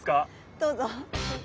どうぞ。